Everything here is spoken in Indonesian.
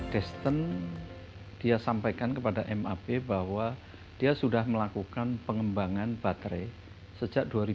desten dia sampaikan kepada map bahwa dia sudah melakukan pengembangan baterai sejak dua ribu